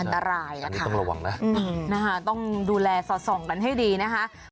อันตรายอันนี้ต้องระวังนะต้องดูแลสอดส่องกันให้ดีนะคะ